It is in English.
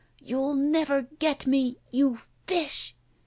"You'll never get me — ^you fish!"